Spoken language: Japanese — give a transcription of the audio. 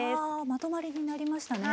まとまりになりましたね。